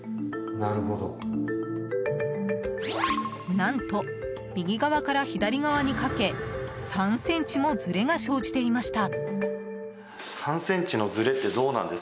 何と右側から左側にかけ３ｃｍもずれが生じていました。